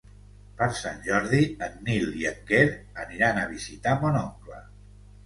Per Sant Jordi en Nil i en Quer aniran a visitar mon oncle.